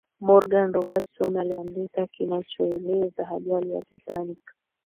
morgan robertson aliandika kinachoelezea ajali ya titanic